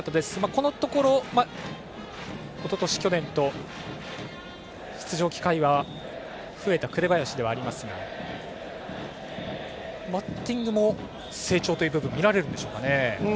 このところ、おととし、去年と出場機会が増えた紅林ではありますがバッティングも成長という部分見られるでしょうか。